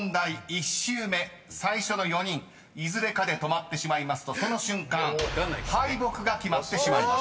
１周目最初の４人いずれかで止まってしまいますとその瞬間敗北が決まってしまいます］